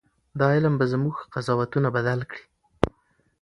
دا علم به زموږ قضاوتونه بدل کړي.